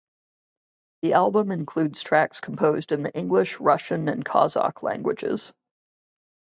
The album includes tracks composed in the English, Russian and Kazakh languages.